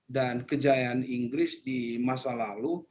dan kejayaan inggris di masa lalu